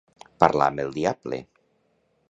Parlar amb el diable.